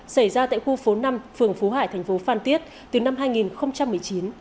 xảy ra tại khu phố năm phường phú hải thành phố phan tiết từ năm hai nghìn một mươi chín